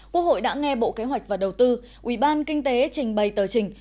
quốc hội đã nghe bộ kế hoạch và đầu tư ubk trình bày tờ trình